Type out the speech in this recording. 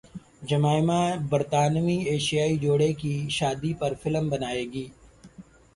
Jemima برطانوی ایشیائی جوڑے کی شادی پر فلم بنائیں گی